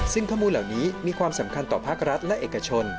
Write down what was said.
ซึ่งข้อมูลเหล่านี้มีความสำคัญต่อภาครัฐและเอกชน